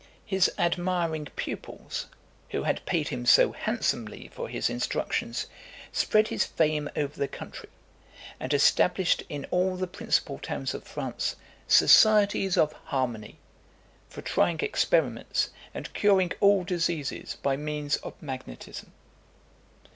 His admiring pupils, who had paid him so handsomely for his instructions, spread his fame over the country, and established in all the principal towns of France, "Societies of Harmony," for trying experiments and curing all diseases by means of magnetism.